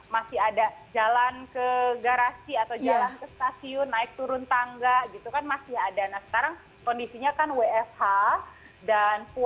masih ada jalan ke garasi atau jalan ke stasiun naik turun tangga gitu kan masih ada nah sekarang kondisinya kan wfh